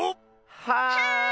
はい！